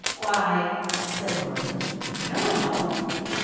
" "Why," said Gordon, "I don't know.